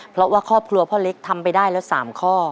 เพราะว่าครอบครัวพ่อเล็กทำไปได้แล้ว๓ข้อ